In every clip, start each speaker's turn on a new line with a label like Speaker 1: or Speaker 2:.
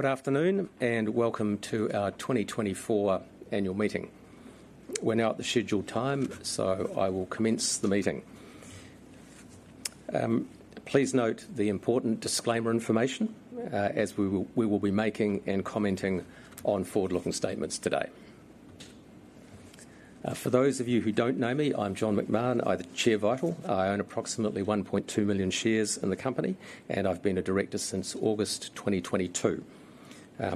Speaker 1: Good afternoon, and welcome to our 2024 Annual Meeting. We're now at the scheduled time, so I will commence the meeting. Please note the important disclaimer information, as we will be making and commenting on forward-looking statements today. For those of you who don't know me, I'm John McMahon. I chair Vital. I own approximately 1.2 million shares in the company, and I've been a Director since August 2022.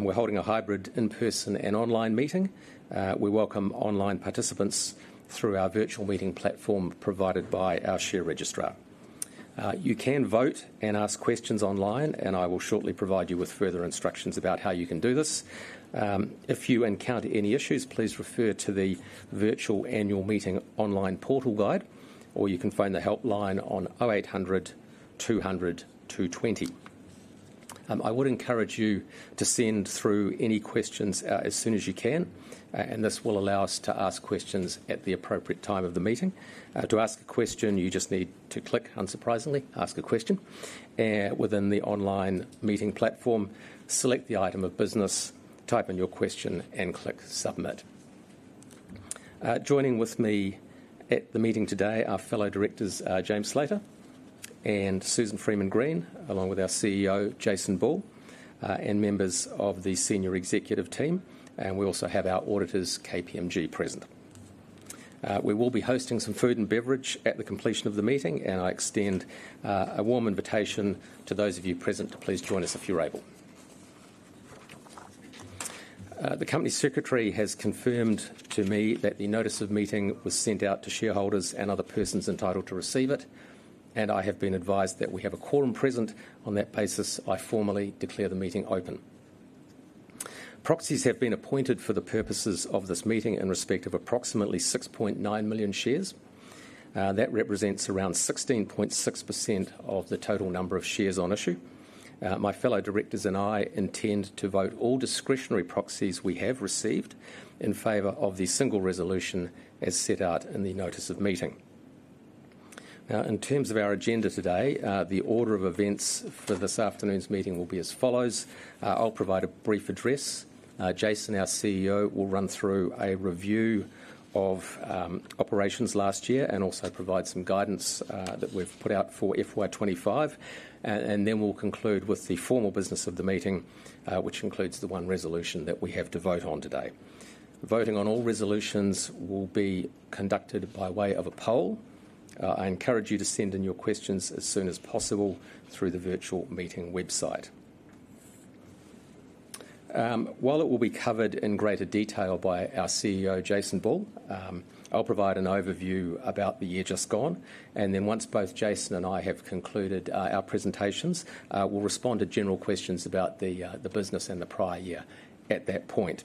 Speaker 1: We're holding a hybrid in-person and online meeting. We welcome online participants through our virtual meeting platform provided by our share registrar. You can vote and ask questions online, and I will shortly provide you with further instructions about how you can do this. If you encounter any issues, please refer to the Virtual Annual Meeting Online Portal Guide, or you can phone the helpline on 0 800 200 220. I would encourage you to send through any questions, as soon as you can, and this will allow us to ask questions at the appropriate time of the meeting. To ask a question, you just need to click, unsurprisingly, Ask a Question, within the online meeting platform, select the item of business, type in your question, and click Submit. Joining with me at the meeting today are fellow Directors, James Sclater and Susan Freeman-Greene, along with our CEO, Jason Bull, and members of the Senior Executive team, and we also have our auditors, KPMG, present. We will be hosting some food and beverage at the completion of the meeting, and I extend a warm invitation to those of you present to please join us if you're able. The company secretary has confirmed to me that the notice of meeting was sent out to shareholders and other persons entitled to receive it, and I have been advised that we have a quorum present. On that basis, I formally declare the meeting open. Proxies have been appointed for the purposes of this meeting in respect of approximately 6.9 million shares. That represents around 16.6% of the total number of shares on issue. My fellow directors and I intend to vote all discretionary proxies we have received in favor of the single resolution as set out in the notice of meeting. Now, in terms of our agenda today, the order of events for this afternoon's meeting will be as follows: I'll provide a brief address. Jason, our CEO, will run through a review of operations last year and also provide some guidance that we've put out for FY 2025, and then we'll conclude with the formal business of the meeting, which includes the one resolution that we have to vote on today. Voting on all resolutions will be conducted by way of a poll. I encourage you to send in your questions as soon as possible through the virtual meeting website. While it will be covered in greater detail by our CEO, Jason Bull, I'll provide an overview about the year just gone, and then once both Jason and I have concluded our presentations, we'll respond to general questions about the business and the prior year at that point.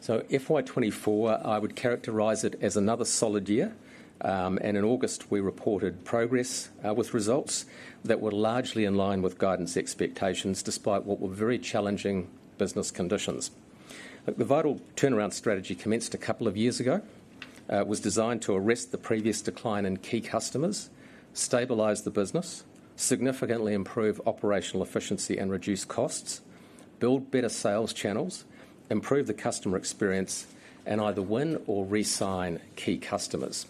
Speaker 1: FY 2024 I would characterize it as another solid year and in August we reported progress with results that were largely in line with guidance expectations, despite what were very challenging business conditions. The Vital turnaround strategy commenced a couple of years ago. It was designed to arrest the previous decline in key customers, stabilize the business, significantly improve operational efficiency and reduce costs, build better sales channels, improve the customer experience, and either win or re-sign key customers.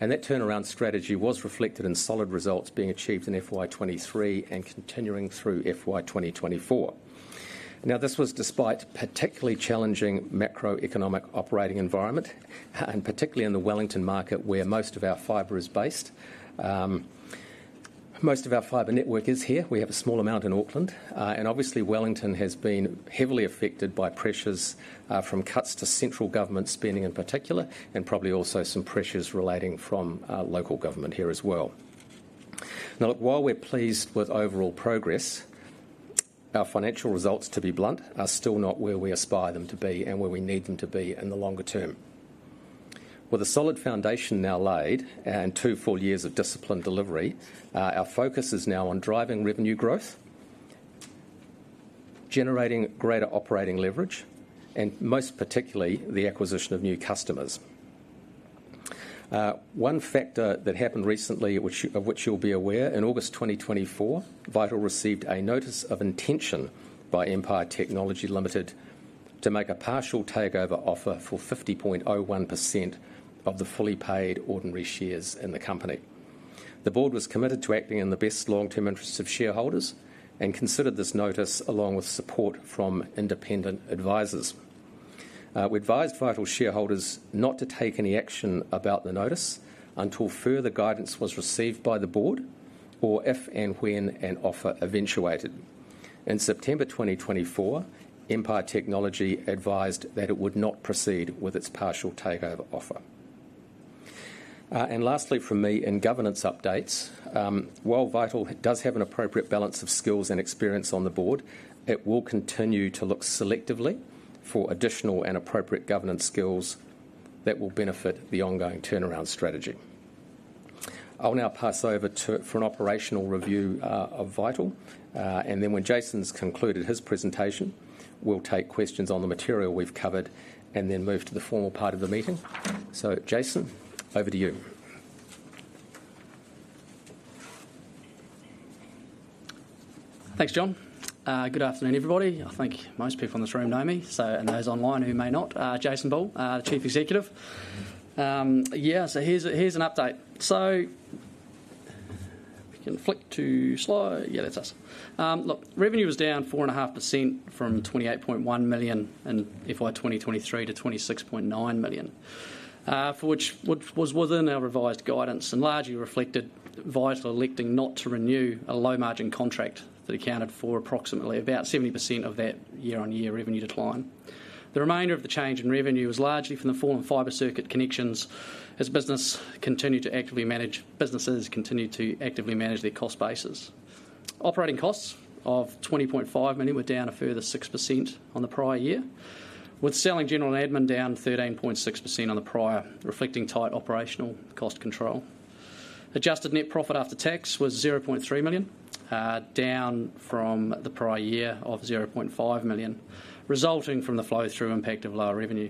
Speaker 1: And that turnaround strategy was reflected in solid results being achieved in FY 2023 and continuing through FY 2024. Now, this was despite particularly challenging macroeconomic operating environment, and particularly in the Wellington market, where most of our fiber is based. Most of our fiber network is here. We have a small amount in Auckland, and obviously Wellington has been heavily affected by pressures from cuts to central government spending in particular, and probably also some pressures relating from local government here as well. Now, look, while we're pleased with overall progress, our financial results, to be blunt, are still not where we aspire them to be and where we need them to be in the longer term. With a solid foundation now laid and two full years of disciplined delivery, our focus is now on driving revenue growth, generating greater operating leverage, and most particularly, the acquisition of new customers. One factor that happened recently, of which you'll be aware, in August 2024, Vital received a notice of intention by Empire Technology Limited to make a partial takeover offer for 50.01% of the fully paid ordinary shares in the company. The board was committed to acting in the best long-term interests of shareholders and considered this notice along with support from independent advisors. We advised Vital shareholders not to take any action about the notice until further guidance was received by the board, or if and when an offer eventuated. In September 2024, Empire Technology advised that it would not proceed with its partial takeover offer. And lastly from me, in governance updates, while Vital does have an appropriate balance of skills and experience on the board, it will continue to look selectively for additional and appropriate governance skills that will benefit the ongoing turnaround strategy. I'll now pass over to for an operational review of Vital, and then when Jason's concluded his presentation, we'll take questions on the material we've covered and then move to the formal part of the meeting. So, Jason, over to you.
Speaker 2: Thanks, John. Good afternoon, everybody. I think most people in this room know me, so and those online who may not. Jason Bull, the Chief Executive. Here's an update. So if we can flick to slide. Yeah, that's us. Look, revenue was down 4.5% from 28.1 million in FY 2023 to 26.9 million, which was within our revised guidance and largely reflected Vital electing not to renew a low-margin contract that accounted for approximately 70% of that year-on-year revenue decline. The remainder of the change in revenue was largely from the fall in fiber circuit connections as businesses continued to actively manage their cost bases. Operating costs of 20.5 million were down a further 6% on the prior year, with selling, general, and admin down 13.6% on the prior, reflecting tight operational cost control. Adjusted net profit after tax was 0.3 million, down from the prior year of 0.5 million, resulting from the flow-through impact of lower revenue.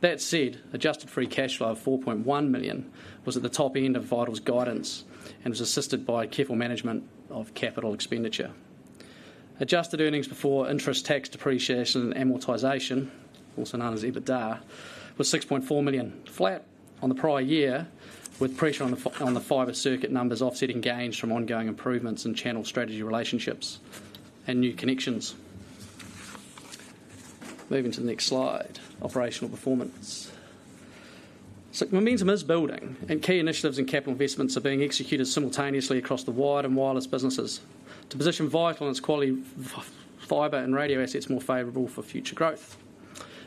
Speaker 2: That said, adjusted free cash flow of 4.1 million was at the top end of Vital's guidance and was assisted by careful management of capital expenditure. Adjusted earnings before interest, tax, depreciation, and amortization, also known as EBITDA, was 6.4 million, flat on the prior year, with pressure on the fiber circuit numbers offsetting gains from ongoing improvements in channel strategy relationships and new connections. Moving to the next slide, operational performance. So momentum is building, and key initiatives and capital investments are being executed simultaneously across the wired and wireless businesses to position Vital and its quality fiber and radio assets more favorable for future growth.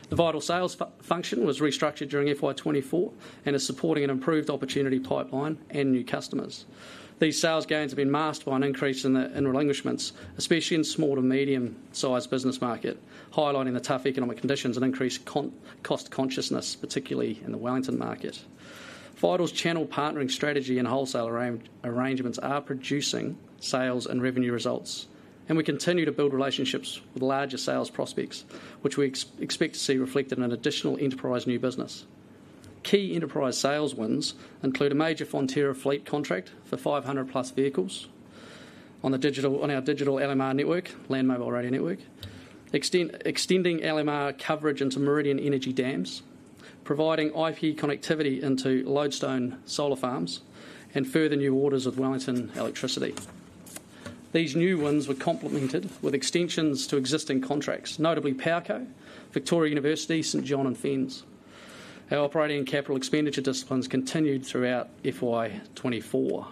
Speaker 2: The Vital sales function was restructured during FY 2024 and is supporting an improved opportunity pipeline and new customers. These sales gains have been masked by an increase in relinquishments, especially in small to medium-sized business market, highlighting the tough economic conditions and increased cost consciousness, particularly in the Wellington market. Vital's channel partnering strategy and wholesale arrangements are producing sales and revenue results, and we continue to build relationships with larger sales prospects, which we expect to see reflected in additional enterprise new business. Key enterprise sales wins include a major Fonterra fleet contract for 500+ vehicles on our digital LMR network, Land Mobile Radio network. Extending LMR coverage into Meridian Energy dams, providing IP connectivity into Lodestone Solar Farms, and further new orders with Wellington Electricity. These new wins were complemented with extensions to existing contracts, notably Powerco, Victoria University, St John, and FENZ. Our operating and capital expenditure disciplines continued throughout FY 2024.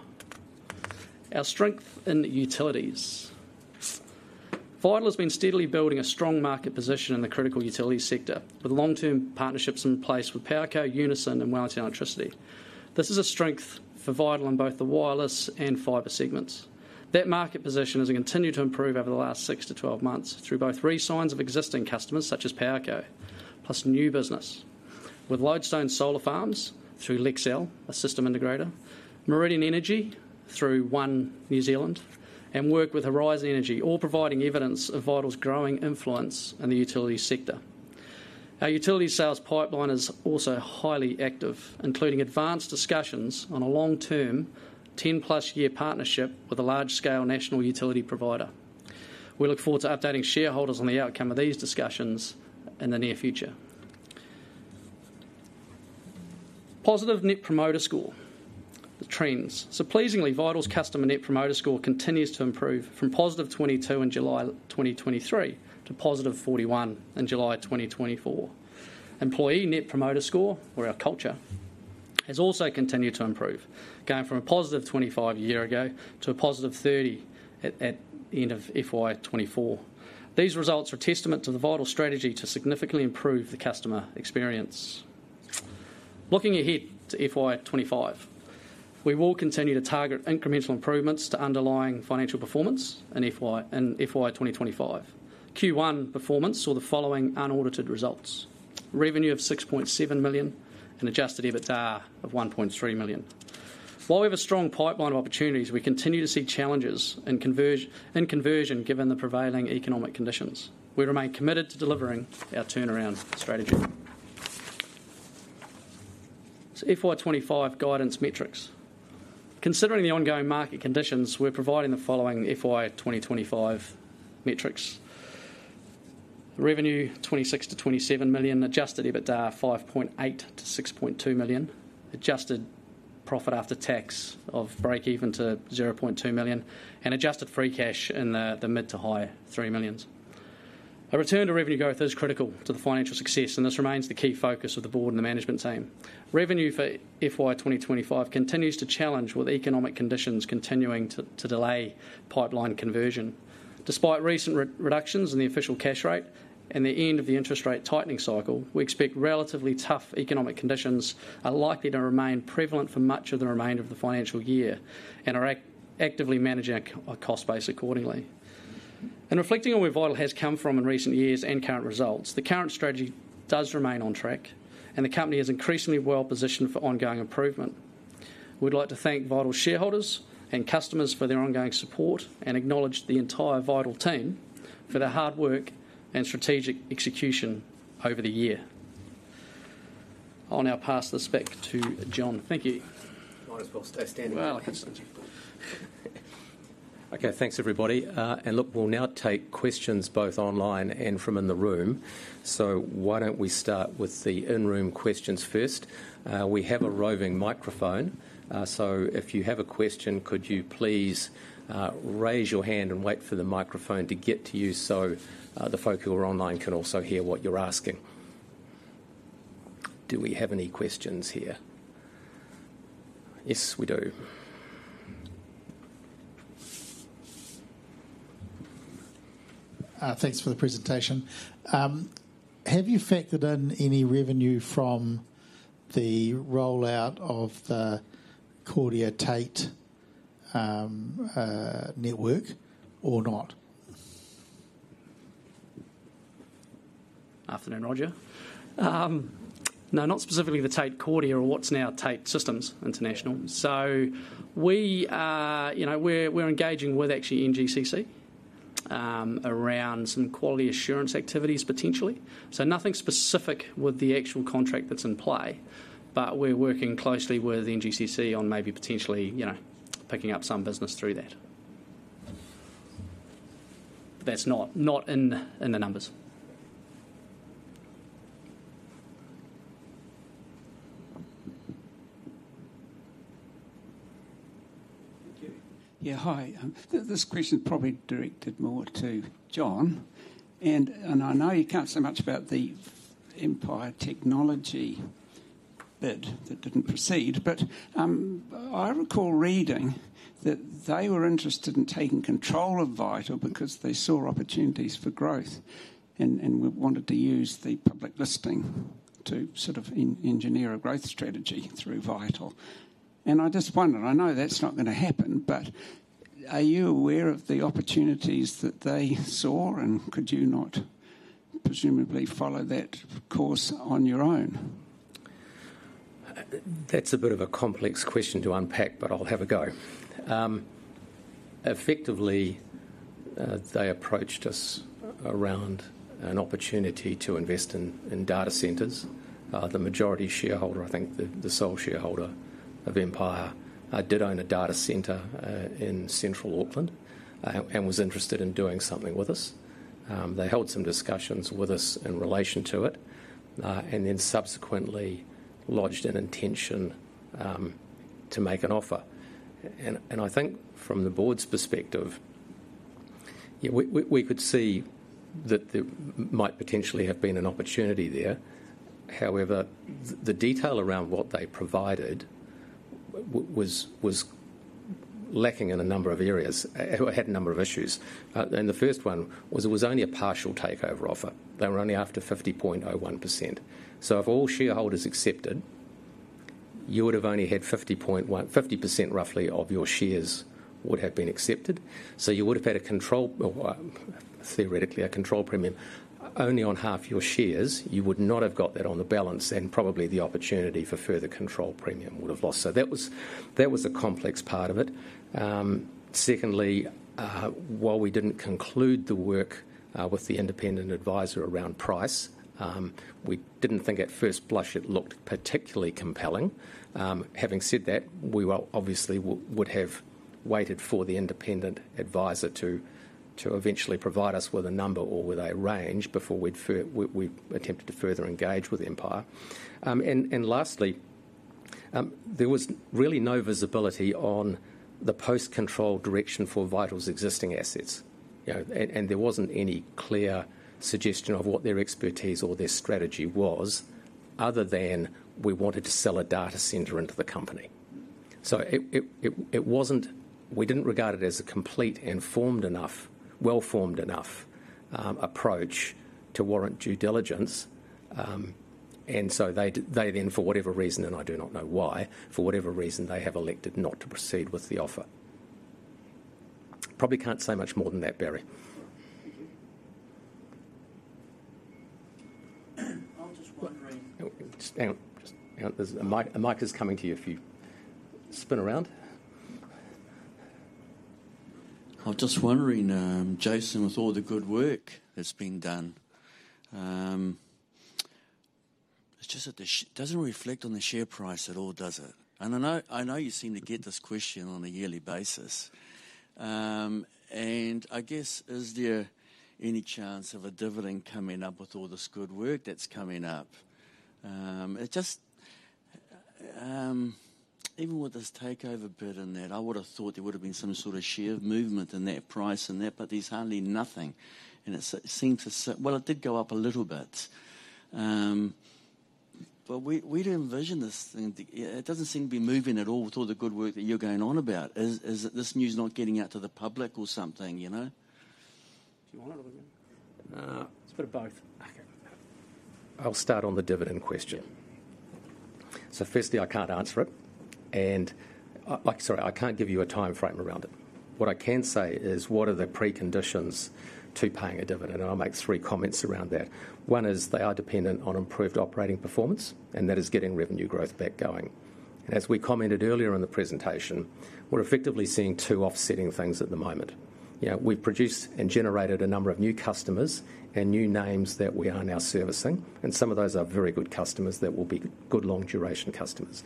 Speaker 2: Our strength in utilities. Vital has been steadily building a strong market position in the critical utility sector, with long-term partnerships in place with Powerco, Unison, and Wellington Electricity. This is a strength for Vital in both the wireless and fiber segments. That market position has continued to improve over the last six to twelve months through both re-signs of existing customers, such as Powerco, plus new business. With Lodestone Energy through Lexel, a system integrator, Meridian Energy through One New Zealand, and work with Horizon Energy, all providing evidence of Vital's growing influence in the utility sector. Our utility sales pipeline is also highly active, including advanced discussions on a long-term, 10+year partnership with a large-scale national utility provider. We look forward to updating shareholders on the outcome of these discussions in the near future. Positive Net Promoter Score: The trends so pleasingly, Vital's customer Net Promoter Score continues to improve from +22 in July 2023 to +41 in July 2024. Employee Net Promoter Score, or our culture, has also continued to improve, going from a +25 a year ago to a +30 at the end of FY 2024. These results are a testament to the Vital strategy to significantly improve the customer experience. Looking ahead to FY 2025, we will continue to target incremental improvements to underlying financial performance in FY 2025. Q1 performance saw the following unaudited results: revenue of 6.7 million and adjusted EBITDA of 1.3 million. While we have a strong pipeline of opportunities, we continue to see challenges in conversion, given the prevailing economic conditions. We remain committed to delivering our turnaround strategy. FY 2025 guidance metrics. Considering the ongoing market conditions, we're providing the following FY 2025 metrics: revenue, 26-27 million; adjusted EBITDA, 5.8-6.2 million; adjusted profit after tax of break-even to 0.2 million; and adjusted free cash in the mid- to high 3 million. A return to revenue growth is critical to the financial success, and this remains the key focus of the board and the management team. Revenue for FY 2025 continues to challenge, with economic conditions continuing to delay pipeline conversion. Despite recent reductions in the Official Cash Rate and the end of the interest rate tightening cycle, we expect relatively tough economic conditions are likely to remain prevalent for much of the remainder of the financial year and are actively managing our cost base accordingly. In reflecting on where Vital has come from in recent years and current results, the current strategy does remain on track, and the company is increasingly well-positioned for ongoing improvement. We'd like to thank Vital shareholders and customers for their ongoing support and acknowledge the entire Vital team for their hard work and strategic execution over the year. I'll now pass this back to John. Thank you.
Speaker 1: Might as well stay standing while I can see you. Okay, thanks, everybody. And look, we'll now take questions both online and from in the room. So why don't we start with the in-room questions first? We have a roving microphone, so if you have a question, could you please raise your hand and wait for the microphone to get to you so the folk who are online can also hear what you're asking? Do we have any questions here? Yes, we do. Thanks for the presentation. Have you factored in any revenue from the rollout of the Kordia Tait network or not?
Speaker 2: Afternoon, Roger. No, not specifically the Tait Kordia or what's now Tait Systems International. So we are, you know, we're engaging with actually NGCC around some quality assurance activities potentially. So nothing specific with the actual contract that's in play, but we're working closely with NGCC on maybe potentially, you know, picking up some business through that. But that's not in the numbers. Thank you. Yeah, hi. This question is probably directed more to John, and I know you can't say much about the Empire Technology bit that didn't proceed, but I recall reading that they were interested in taking control of Vital because they saw opportunities for growth and wanted to use the public listing to sort of engineer a growth strategy through Vital. And I just wondered, I know that's not gonna happen, but are you aware of the opportunities that they saw, and could you not presumably follow that course on your own?
Speaker 1: That's a bit of a complex question to unpack, but I'll have a go. Effectively, they approached us around an opportunity to invest in data centers. The majority shareholder, I think the sole shareholder of Empire, did own a data center in central Auckland, and was interested in doing something with us. They held some discussions with us in relation to it, and then subsequently lodged an intention to make an offer. And I think from the board's perspective, yeah, we could see that there might potentially have been an opportunity there. However, the detail around what they provided was lacking in a number of areas, had a number of issues. And the first one was it was only a partial takeover offer. They were only after 50.01%. So if all shareholders accepted, you would have only had 50%, roughly, of your shares would have been accepted. So you would have had a control, theoretically, a control premium only on half your shares. You would not have got that on the balance, and probably the opportunity for further control premium would have lost. So that was a complex part of it. Secondly, while we didn't conclude the work with the independent advisor around price, we didn't think at first blush it looked particularly compelling. Having said that, we obviously would have waited for the independent advisor to eventually provide us with a number or with a range before we attempted to further engage with Empire. Lastly, there was really no visibility on the post-control direction for Vital's existing assets. You know, and there wasn't any clear suggestion of what their expertise or their strategy was, other than: "We wanted to sell a data center into the company," so it wasn't. We didn't regard it as a complete and formed enough, well-formed enough approach to warrant due diligence, and so they then, for whatever reason, and I do not know why, for whatever reason, they have elected not to proceed with the offer. Probably can't say much more than that, Barry. Thank you. I was just wondering.
Speaker 2: Just hang on. Just hang on. There's a mic, a mic is coming to you if you spin around. I was just wondering, Jason, with all the good work that's been done, it's just that it doesn't reflect on the share price at all, does it? I know, I know you seem to get this question on a yearly basis. I guess, is there any chance of a dividend coming up with all this good work that's coming up? It just, even with this takeover bid and that, I would have thought there would have been some sort of share movement in that price and that, but there's hardly nothing, and it seems to. It did go up a little bit. But we, we'd envision this thing to, it doesn't seem to be moving at all with all the good work that you're going on about. Is this news not getting out to the public or something, you know? Do you want it or me?
Speaker 1: Uh.
Speaker 2: It's a bit of both.
Speaker 1: Okay. I'll start on the dividend question. So firstly, I can't answer it, and, like, sorry, I can't give you a timeframe around it. What I can say is, what are the preconditions to paying a dividend? And I'll make three comments around that. One is they are dependent on improved operating performance, and that is getting revenue growth back going. As we commented earlier in the presentation, we're effectively seeing two offsetting things at the moment.... You know, we've produced and generated a number of new customers and new names that we are now servicing, and some of those are very good customers that will be good, long-duration customers.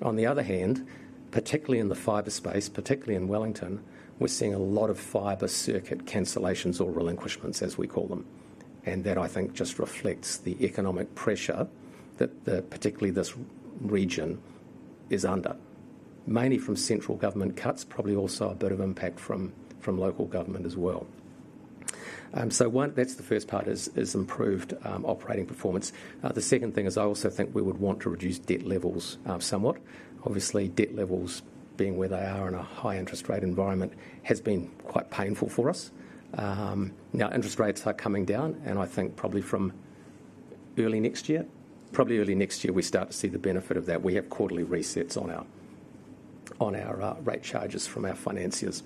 Speaker 1: On the other hand, particularly in the fiber space, particularly in Wellington, we're seeing a lot of fiber circuit cancellations or relinquishments, as we call them. That, I think, just reflects the economic pressure that the, particularly this region is under, mainly from central government cuts, probably also a bit of impact from local government as well. So one, that's the first part is improved operating performance. The second thing is I also think we would want to reduce debt levels somewhat. Obviously, debt levels being where they are in a high interest rate environment has been quite painful for us. Now interest rates are coming down, and I think probably from early next year we start to see the benefit of that. We have quarterly resets on our rate charges from our financiers.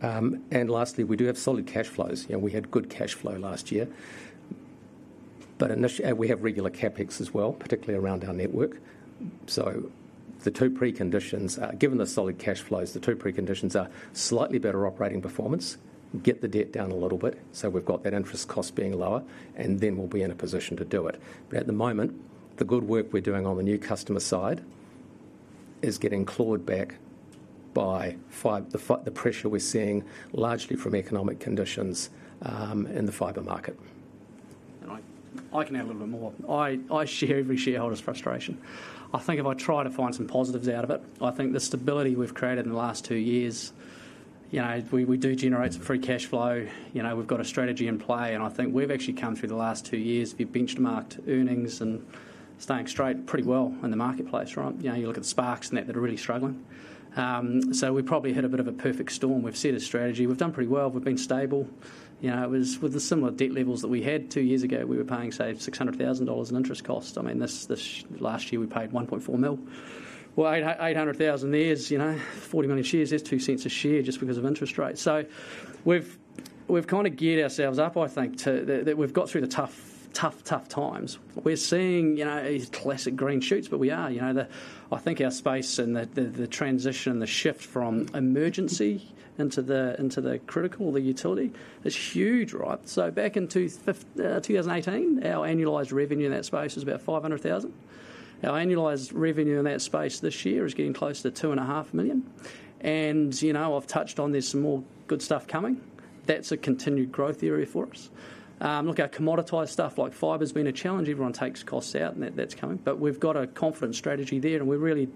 Speaker 1: And lastly, we do have solid cash flows. You know, we had good cash flow last year, but we have regular CapEx as well, particularly around our network. So, given the solid cash flows, the two preconditions are slightly better operating performance, get the debt down a little bit, so we've got that interest cost being lower, and then we'll be in a position to do it. But at the moment, the good work we're doing on the new customer side is getting clawed back by the pressure we're seeing largely from economic conditions in the fiber market.
Speaker 2: I can add a little bit more. I share every shareholder's frustration. I think if I try to find some positives out of it, I think the stability we've created in the last two years, you know, we do generate some free cash flow. You know, we've got a strategy in play, and I think we've actually come through the last two years. We've benchmarked earnings and stayed straight pretty well in the marketplace, right? You know, you look at Spark and that. They're really struggling. So we probably hit a bit of a perfect storm. We've set a strategy. We've done pretty well. We've been stable. You know, it was with the similar debt levels that we had two years ago. We were paying, say, 600,000 dollars in interest costs. I mean, this last year, we paid 1.4 million. 800,000 there's, you know, 40 million shares, there's 0.50 a share just because of interest rates. So we've kind of geared ourselves up, I think, to that we've got through the tough, tough, tough times. We're seeing, you know, these classic green shoots, but we are. You know, I think our space and the transition and the shift from emergency into the critical, the utility, is huge, right? So back in 2018, our annualized revenue in that space was about 500,000. Our annualized revenue in that space this year is getting close to 2.5 million. And, you know, I've touched on there's some more good stuff coming. That's a continued growth area for us. Look, our commoditized stuff like fiber's been a challenge. Everyone takes costs out, and that, that's coming. But we've got a confident strategy there, and we're really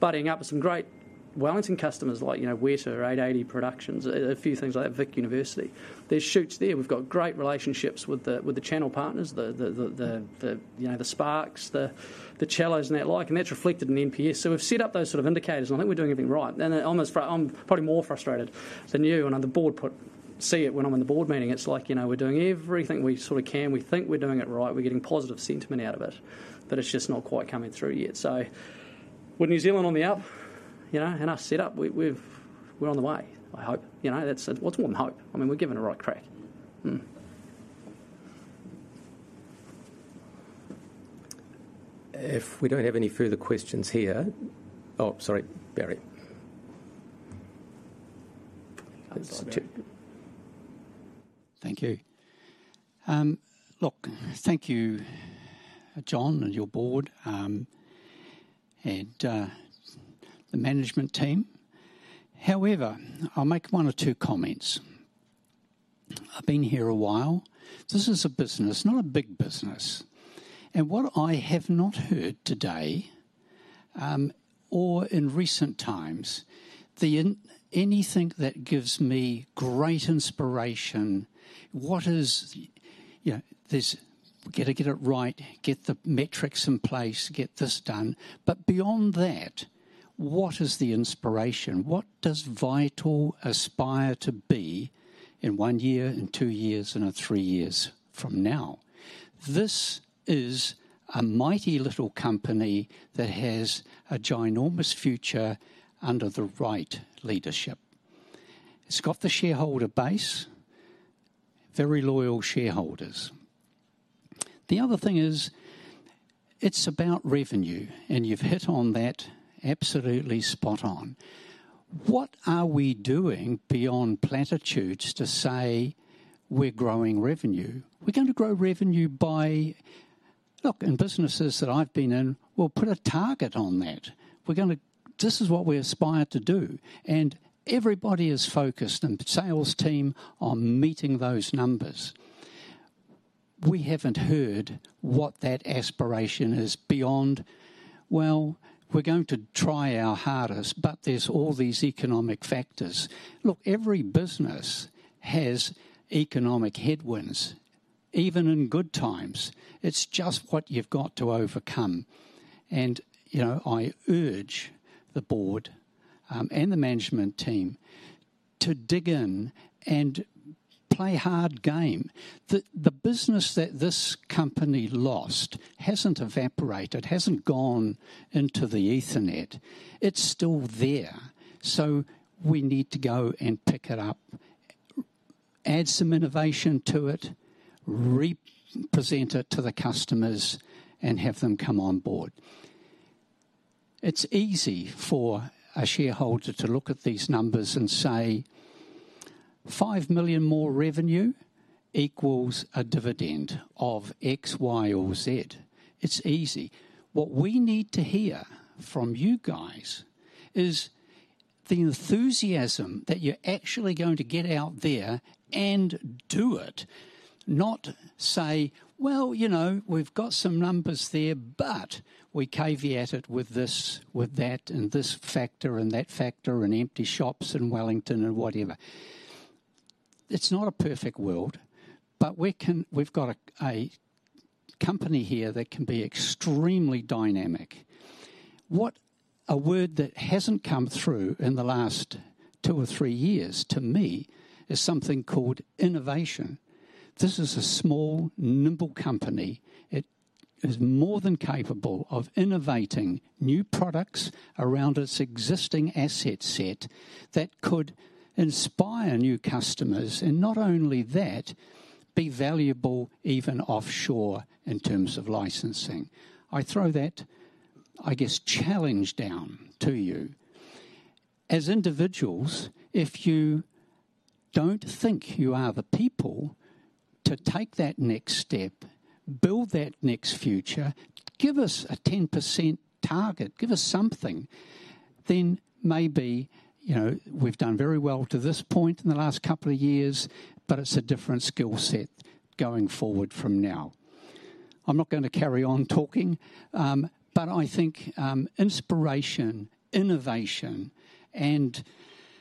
Speaker 2: building up with some great Wellington customers like, you know, Weta or 880 Productions, a few things like that, Vic University. There's shoots there. We've got great relationships with the channel partners, you know, the Sparks, the Cellos and that like, and that's reflected in NPS. So we've set up those sort of indicators, and I think we're doing everything right. And I'm as fru- I'm probably more frustrated than you, and the board but see it when I'm in the board meeting. It's like, you know, we're doing everything we sort of can. We think we're doing it right. We're getting positive sentiment out of it, but it's just not quite coming through yet. So with New Zealand on the up, you know, and our setup, we're on the way, I hope. You know, that's, it's more than hope. I mean, we're giving it a right crack. Mm.
Speaker 1: If we don't have any further questions here... Oh, sorry, Barry. Thank you. Look, thank you, John, and your board, and the management team. However, I'll make one or two comments. I've been here a while. This is a business, not a big business. And what I have not heard today, or in recent times, anything that gives me great inspiration? What is, you know, this? We got to get it right, get the metrics in place, get this done. But beyond that, what is the inspiration? What does Vital aspire to be in one year, in two years, and in three years from now? This is a mighty little company that has a ginormous future under the right leadership. It's got the shareholder base, very loyal shareholders. The other thing is, it's about revenue, and you've hit on that absolutely spot on. What are we doing beyond platitudes to say we're growing revenue? We're going to grow revenue by... Look, in businesses that I've been in, we'll put a target on that. We're gonna, "This is what we aspire to do." And everybody is focused, and the sales team, on meeting those numbers. We haven't heard what that aspiration is beyond, "Well, we're going to try our hardest, but there's all these economic factors." Look, every business has economic headwinds, even in good times. It's just what you've got to overcome. And, you know, I urge the board, and the management team to dig in and play hard game. The business that this company lost hasn't evaporated, hasn't gone into the ether. It's still there, so we need to go and pick it up, add some innovation to it, re-present it to the customers, and have them come on board.... It's easy for a shareholder to look at these numbers and say, "Five million more revenue equals a dividend of X, Y, or Z." It's easy. What we need to hear from you guys is the enthusiasm that you're actually going to get out there and do it, not say, "Well, you know, we've got some numbers there," but we caveat it with this, with that, and this factor and that factor, and empty shops in Wellington or whatever. It's not a perfect world, but we can. We've got a company here that can be extremely dynamic. What a word that hasn't come through in the last two or three years, to me, is something called innovation. This is a small, nimble company. It is more than capable of innovating new products around its existing asset set that could inspire new customers, and not only that, be valuable even offshore in terms of licensing. I throw that, I guess, challenge down to you. As individuals, if you don't think you are the people to take that next step, build that next future, give us a 10% target, give us something, then maybe, you know, we've done very well to this point in the last couple of years, but it's a different skill set going forward from now. I'm not going to carry on talking, but I think, inspiration, innovation, and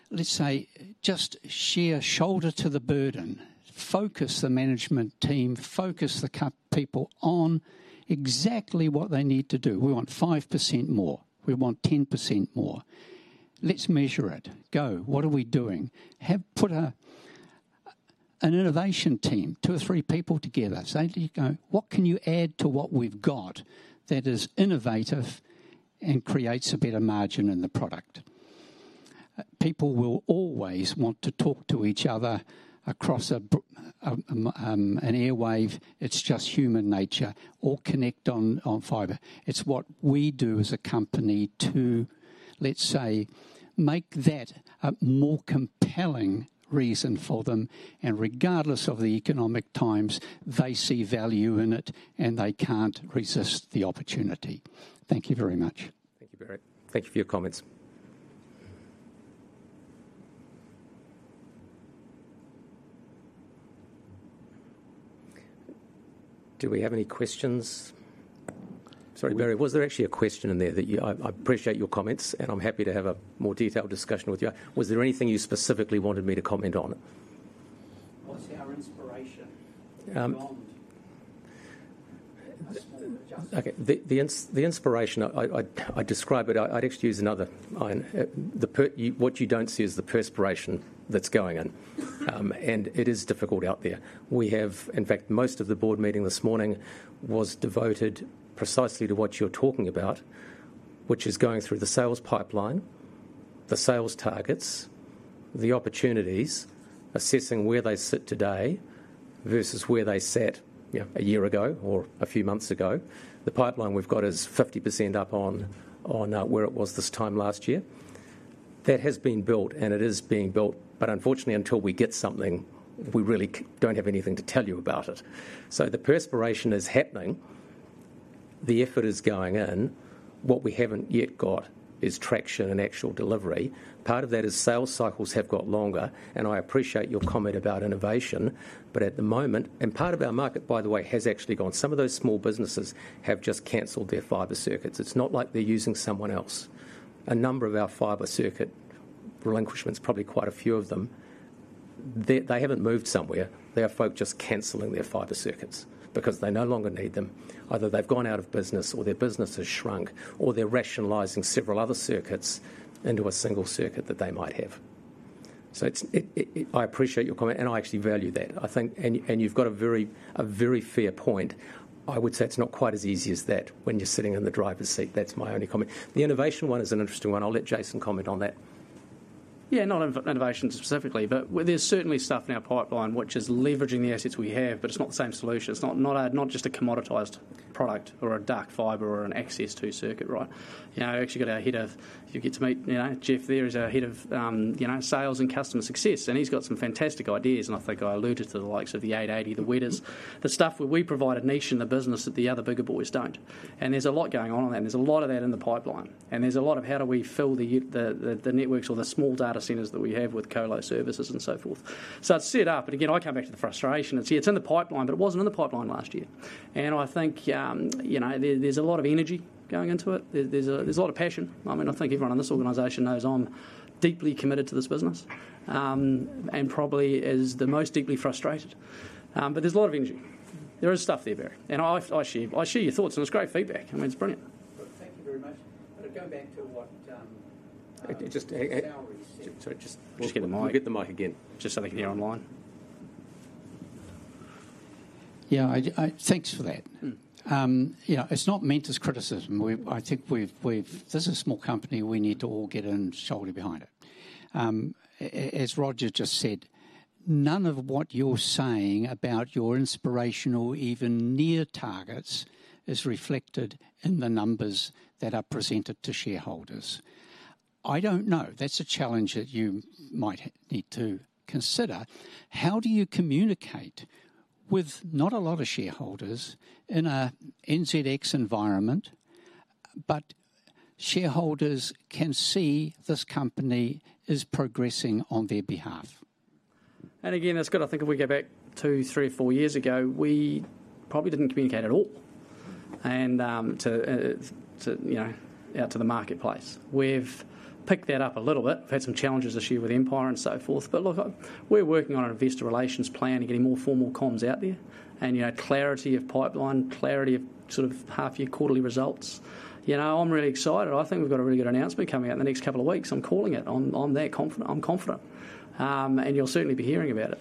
Speaker 1: let's say, just sheer shoulder to the burden, focus the management team, focus the people on exactly what they need to do. We want 5% more. We want 10% more. Let's measure it. Go, what are we doing? Have put an innovation team, two or three people together, say, "There you go. What can you add to what we've got that is innovative and creates a better margin in the product?" People will always want to talk to each other across an airwave. It's just human nature, or connect on fiber. It's what we do as a company to, let's say, make that a more compelling reason for them, and regardless of the economic times, they see value in it, and they can't resist the opportunity. Thank you very much. Thank you, Barry. Thank you for your comments. Do we have any questions? Sorry, Barry, was there actually a question in there that you... I, I appreciate your comments, and I'm happy to have a more detailed discussion with you. Was there anything you specifically wanted me to comment on? What's our inspiration to go on with? Okay. The inspiration I describe it, I'd actually use another line. What you don't see is the perspiration that's going in, and it is difficult out there. We have, in fact, most of the board meeting this morning was devoted precisely to what you're talking about, which is going through the sales pipeline, the sales targets, the opportunities, assessing where they sit today versus where they sat, you know, a year ago or a few months ago. The pipeline we've got is 50% up on where it was this time last year. That has been built, and it is being built, but unfortunately, until we get something, we really don't have anything to tell you about it, so the perspiration is happening. The effort is going in. What we haven't yet got is traction and actual delivery. Part of that is sales cycles have got longer, and I appreciate your comment about innovation, but at the moment, and part of our market, by the way, has actually gone. Some of those small businesses have just canceled their fiber circuits. It's not like they're using someone else. A number of our fiber circuit relinquishments, probably quite a few of them, they haven't moved somewhere. They are folk just canceling their fiber circuits because they no longer need them. Either they've gone out of business, or their business has shrunk, or they're rationalizing several other circuits into a single circuit that they might have. So it, I appreciate your comment, and I actually value that. I think and you've got a very fair point. I would say it's not quite as easy as that when you're sitting in the driver's seat. That's my only comment. The innovation one is an interesting one. I'll let Jason comment on that.
Speaker 2: Yeah, not innovation specifically, but well, there's certainly stuff in our pipeline which is leveraging the assets we have, but it's not the same solution. It's not just a commoditized product or a dark fiber or an access circuit, right? You know, I actually got our head of... You get to meet, you know, Jeff. There is our head of sales and customer success, and he's got some fantastic ideas, and I think I alluded to the likes of the 880, the Weta's. The stuff where we provide a niche in the business that the other bigger boys don't, and there's a lot going on in there, and there's a lot of that in the pipeline, and there's a lot of how do we fill the networks or the small data centers that we have with colo services and so forth, so it's set up, but again, I come back to the frustration, and see, it's in the pipeline, but it wasn't in the pipeline last year, and I think you know, there's a lot of energy going into it, there's a lot of passion, I mean, I think everyone in this organization knows I'm deeply committed to this business, and probably is the most deeply frustrated, but there's a lot of energy. There is stuff there, Barry, and I share your thoughts, and it's great feedback. I mean, it's brilliant. Thank you very much. But going back to what, Hey, hey. Barry said. Sorry, just.
Speaker 1: Get the mic. Get the mic again.
Speaker 2: Just so they can hear online. Yeah.. Thanks for that.
Speaker 1: Mm. Yeah, it's not meant as criticism. I think we've, this is a small company. We need to all get our shoulder behind it. As Roger just said, none of what you're saying about your aspirational even near-term targets is reflected in the numbers that are presented to shareholders. I don't know. That's a challenge that you might need to consider. How do you communicate with not a lot of shareholders in a NZX environment, but shareholders can see this company is progressing on their behalf?
Speaker 2: And again, that's good. I think if we go back two, three, or four years ago, we probably didn't communicate at all, and to you know out to the marketplace. We've picked that up a little bit. We've had some challenges this year with Empire and so forth, but look, we're working on an investor relations plan and getting more formal comms out there, and you know clarity of pipeline, clarity of sort of half-year quarterly results. You know, I'm really excited. I think we've got a really good announcement coming out in the next couple of weeks. I'm calling it. I'm that confident. I'm confident. And you'll certainly be hearing about it.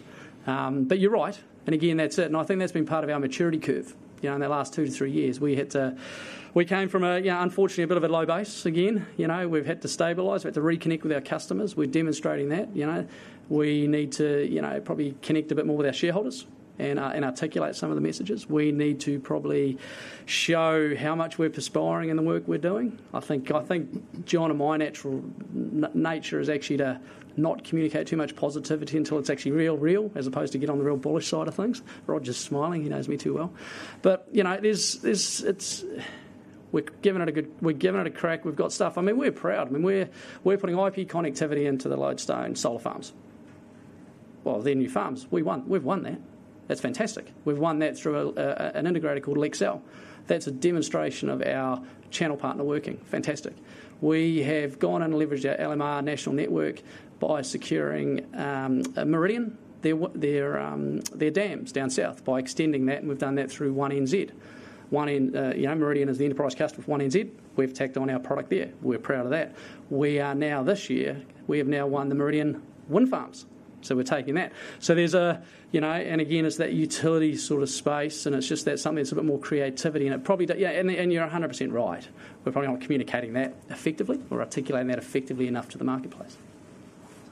Speaker 2: But you're right. And again, that's it, and I think that's been part of our maturity curve, you know, in the last two to three years. We came from a, yeah, unfortunately, a bit of a low base again. You know, we've had to stabilize, we had to reconnect with our customers. We're demonstrating that, you know. We need to, you know, probably connect a bit more with our shareholders and articulate some of the messages. We need to probably show how much we're perspiring in the work we're doing. I think John and my natural nature is actually to not communicate too much positivity until it's actually real as opposed to get on the real bullish side of things. Rod just smiling, he knows me too well. But, you know, it is, it's. We're giving it a good we're giving it a crack. We've got stuff. I mean, we're proud. I mean, we're putting IP connectivity into the Lodestone solar farms. Well, their new farms. We won. We've won that. That's fantastic. We've won that through an integrator called Lexel. That's a demonstration of our channel partner working. Fantastic. We have gone and leveraged our LMR national network by securing Meridian, their dams down south, by extending that, and we've done that through One NZ. One you know, Meridian is the enterprise customer for One NZ. We've tacked on our product there. We're proud of that. We are now, this year, we have now won the Meridian wind farms, so we're taking that. So there's a you know, and again, it's that utility sort of space, and it's just that something that's a bit more creativity, and it probably yeah, and, and you're 100% right. We're probably not communicating that effectively or articulating that effectively enough to the marketplace.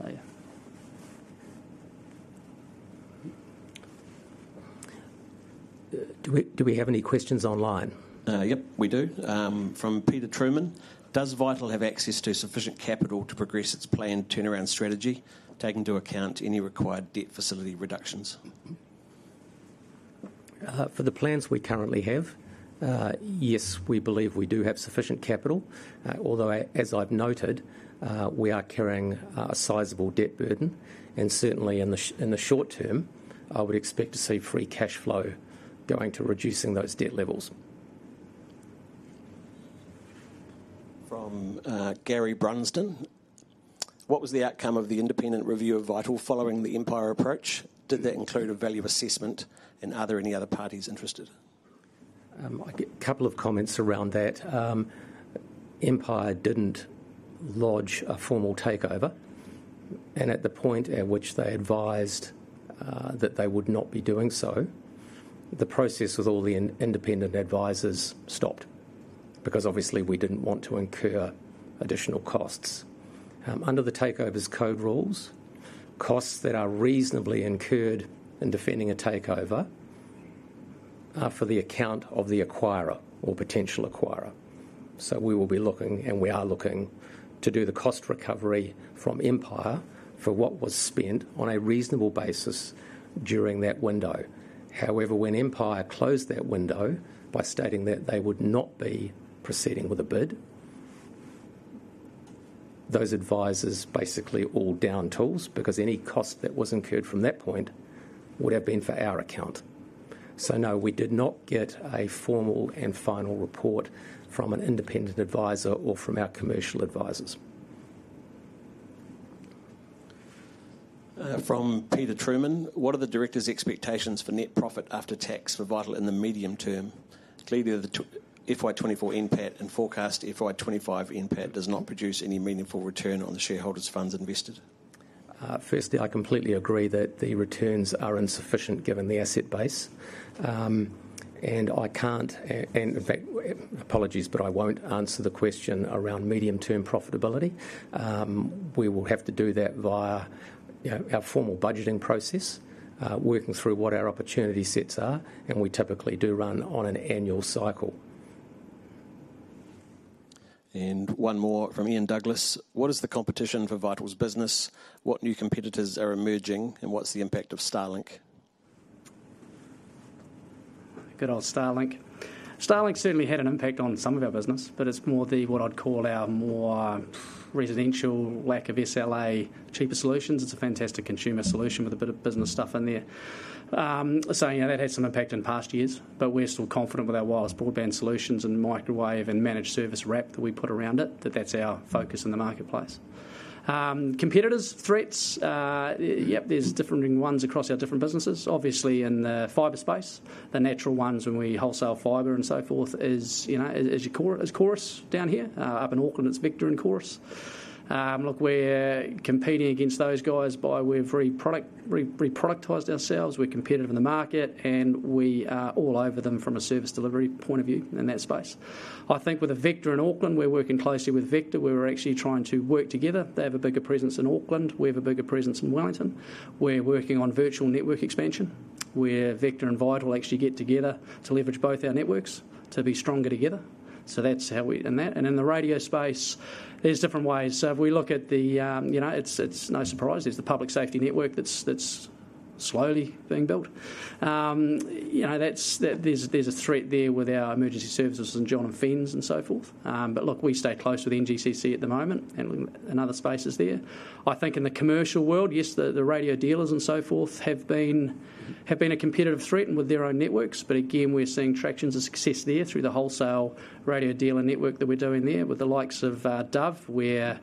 Speaker 2: So, yeah. Do we have any questions online?
Speaker 3: Yep, we do. From Peter Truman: Does Vital have access to sufficient capital to progress its planned turnaround strategy, take into account any required debt facility reductions?
Speaker 1: For the plans we currently have, yes, we believe we do have sufficient capital, although as I've noted, we are carrying a sizable debt burden, and certainly in the short term, I would expect to see free cash flow going to reducing those debt levels.
Speaker 3: From Gary Brunsdon: What was the outcome of the independent review of Vital following the Empire approach? Did that include a value assessment, and are there any other parties interested?
Speaker 1: I get couple of comments around that. Empire didn't lodge a formal takeover, and at the point at which they advised that they would not be doing so, the process with all the independent advisors stopped, because obviously we didn't want to incur additional costs. Under the Takeovers Code rules, costs that are reasonably incurred in defending a takeover are for the account of the acquirer or potential acquirer. So we will be looking, and we are looking, to do the cost recovery from Empire for what was spent on a reasonable basis during that window. However, when Empire closed that window by stating that they would not be proceeding with a bid, those advisors basically all down tools, because any cost that was incurred from that point would have been for our account. So no, we did not get a formal and final report from an independent advisor or from our commercial advisors.
Speaker 3: From Peter Truman: What are the directors' expectations for net profit after tax for Vital in the medium term? Clearly, the FY 2024 NPAT and forecast FY 2025 NPAT does not produce any meaningful return on the shareholders' funds invested.
Speaker 1: Firstly, I completely agree that the returns are insufficient given the asset base. And I can't, and in fact, apologies, but I won't answer the question around medium-term profitability. We will have to do that via, you know, our formal budgeting process, working through what our opportunity sets are, and we typically do run on an annual cycle.
Speaker 3: And one more from Ian Douglas: What is the competition for Vital's business? What new competitors are emerging, and what's the impact of Starlink?
Speaker 2: Good old Starlink. Starlink certainly had an impact on some of our business, but it's more the, what I'd call our more residential lack of SLA, cheaper solutions. It's a fantastic consumer solution with a bit of business stuff in there. So, you know, that had some impact in past years, but we're still confident with our wireless broadband solutions and microwave and managed service wrap that we put around it, that that's our focus in the marketplace. Competitors, threats, yep, there's differing ones across our different businesses. Obviously, in the fiber space, the natural ones when we wholesale fiber and so forth is, you know, your Chorus down here. Up in Auckland, it's Vector and Chorus. Look, we're competing against those guys by we've productized ourselves, we're competitive in the market, and we are all over them from a service delivery point of view in that space. I think with Vector in Auckland, we're working closely with Vector. We're actually trying to work together. They have a bigger presence in Auckland, we have a bigger presence in Wellington. We're working on virtual network expansion where Vector and Vital actually get together to leverage both our networks to be stronger together. So that's how we. And that. And in the radio space, there's different ways. So if we look at the, you know, it's no surprise, there's the public safety network that's slowly being built. You know, that's, there's a threat there with our emergency services and FENZ and so forth. But look, we stay close with NGCC at the moment and in other spaces there. I think in the commercial world, yes, the radio dealers and so forth have been a competitive threat with their own networks. But again, we're seeing traction of success there through the wholesale radio dealer network that we're doing there with the likes of Dove, where,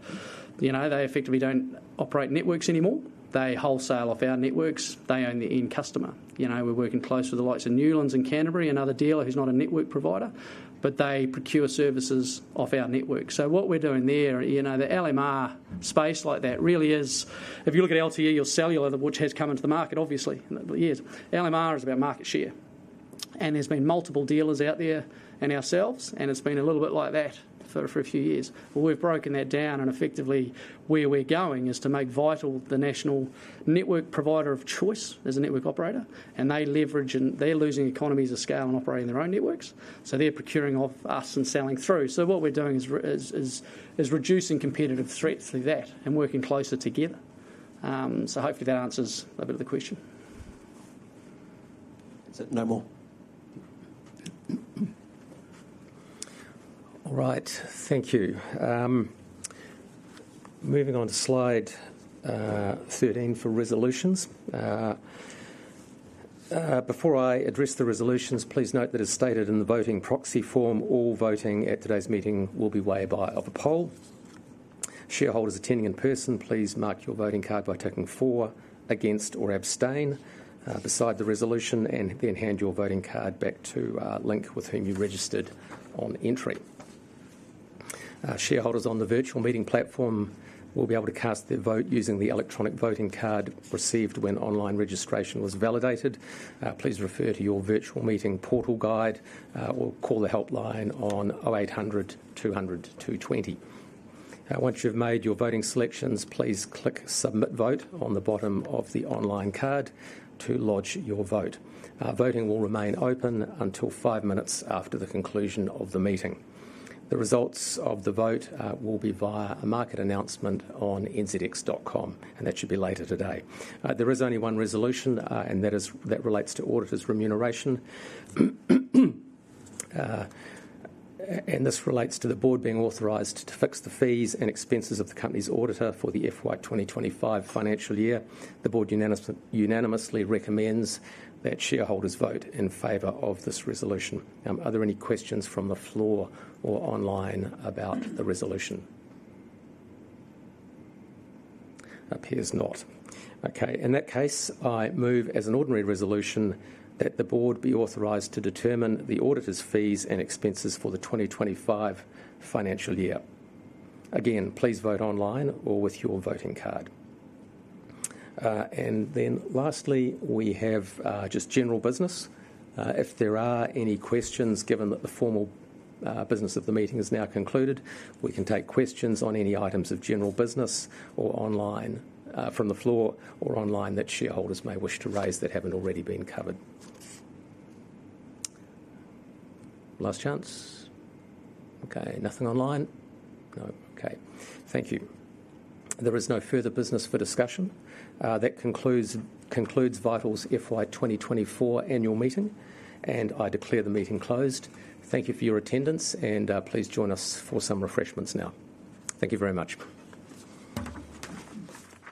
Speaker 2: you know, they effectively don't operate networks anymore. They wholesale off our networks. They own the end customer. You know, we're working close with the likes of Newlands in Canterbury, another dealer who's not a network provider, but they procure services off our network. So what we're doing there, you know, the LMR space like that really is. If you look at LTE or cellular, which has come into the market, obviously, yes, LMR is about market share, and there's been multiple dealers out there and ourselves, and it's been a little bit like that for a few years. But we've broken that down, and effectively, where we're going is to make Vital the national network provider of choice as a network operator, and they leverage, and they're losing economies of scale and operating their own networks, so they're procuring off us and selling through. So what we're doing is reducing competitive threats through that and working closer together. So hopefully that answers a bit of the question. Is it no more? All right, thank you. Moving on to slide thirteen for resolutions. Before I address the resolutions, please note that as stated in the voting proxy form, all voting at today's meeting will be by way of a poll. Shareholders attending in person, please mark your voting card by ticking for, against, or abstain beside the resolution, and then hand your voting card back to Link, with whom you registered on entry. Shareholders on the virtual meeting platform will be able to cast their vote using the electronic voting card received when online registration was validated. Please refer to your virtual meeting portal guide or call the helpline on 0800 200 220. Once you've made your voting selections, please click Submit Vote on the bottom of the online card to lodge your vote. Voting will remain open until five minutes after the conclusion of the meeting. The results of the vote will be via a market announcement on NZX.com, and that should be later today. There is only one resolution, and that is that relates to auditors' remuneration, and this relates to the board being authorized to fix the fees and expenses of the company's auditor for the FY 2025 financial year. The board unanimously recommends that shareholders vote in favor of this resolution. Are there any questions from the floor or online about the resolution? Appears not. Okay, in that case, I move as an ordinary resolution that the board be authorized to determine the auditor's fees and expenses for the 2025 financial year. Again, please vote online or with your voting card and then lastly, we have just general business. If there are any questions, given that the formal business of the meeting is now concluded, we can take questions on any items of general business or online, from the floor or online, that shareholders may wish to raise that haven't already been covered. Last chance? Okay, nothing online. No. Okay. Thank you. There is no further business for discussion. That concludes Vital's FY 2024 Annual Meeting, and I declare the meeting closed. Thank you for your attendance, and please join us for some refreshments now. Thank you very much.